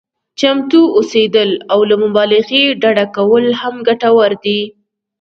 چمتو اوسېدل او له مبالغې ډډه کول هم ګټور دي.